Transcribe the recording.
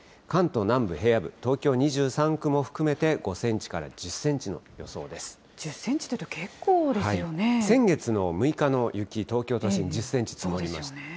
関東南部、平野部、東京２３区も含めて５センチから１０センチの１０センチっていうと結構で先月の６日の雪、東京都心１０センチ積もりました。